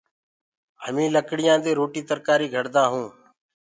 همينٚ لڪڙيآندي روٽي ترڪآري گھڙدآ هيونٚ۔